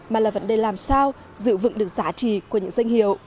mà là vấn đề làm sao giữ vững được giá trị của những danh hiệu